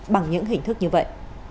bằng những hình thức như vậy